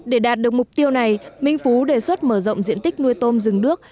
để đạt được mục tiêu này minh phú đề xuất mở rộng diện tích nuôi tôm rừng nước